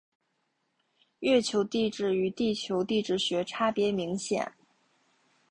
月球地质与地球地质学差别明显。